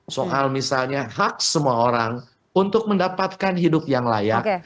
soal misalnya hak semua orang untuk mendapatkan hidup yang layak